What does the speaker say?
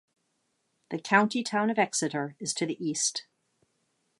The county town of Exeter is to the east.